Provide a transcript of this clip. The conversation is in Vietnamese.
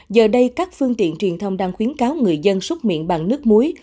giờ đây các phương tiện truyền thông đang khuyến cáo người dân xúc miệng bằng nước muối